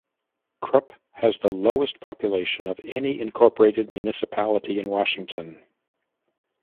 Krupp has the lowest population of any incorporated municipality in Washington.